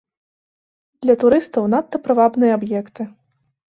Для турыстаў надта прывабныя аб'екты.